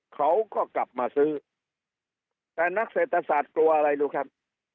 เขาก็กลับมาซื้อแต่นักเศรษฐศาสตร์กลัวอะไรรู้ครับ